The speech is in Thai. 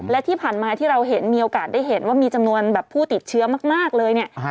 และที่ผ่านมาที่เราเห็นมีโอกาสได้เห็นว่ามีจำนวนแบบผู้ติดเชื้อมากเลยเนี่ย